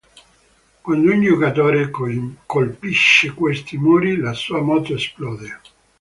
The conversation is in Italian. Quando un giocatore colpisce questi muri, la sua moto esplode.